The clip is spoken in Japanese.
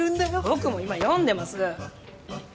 僕も今読んでます。